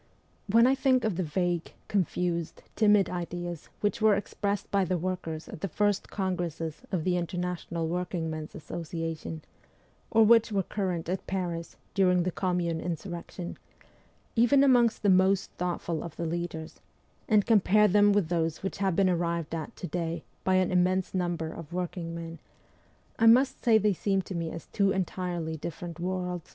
When I think of the vague, confused, timid ideas which were expressed by the workers at the first congresses of the International Workingmen's Association, or which were current at Paris during the Commune insurrection, even amongst the most thought ful of the leaders, and compare them with those which have been arrived at to day by an immense number of workingmen, I must say they seem to me as two entirely different worlds.